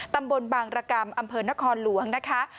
ตำบลบางรกรรมอำเภอนครหลวงนะคะ